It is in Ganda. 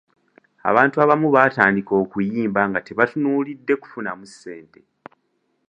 Abantu abamu batandika okuyimba nga tebatunuulidde kufunamu ssente.